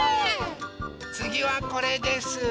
つぎはこれです。